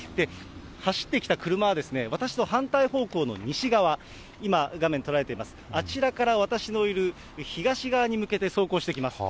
走ってきた車は、私の反対方向の西側、今、画面捉えています、あちらから私のいる東側に向けて走行してきます。